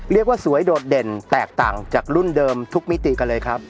เรียกว่าสวยโดดเด่นแตกต่างจากรุ่นเดิมทุกมิติกันเลยครับ